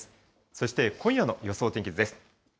そして、今夜の予想天気図です。